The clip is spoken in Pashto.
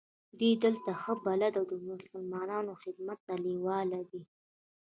دی دلته ښه بلد او د مسلمانانو خدمت ته لېواله دی.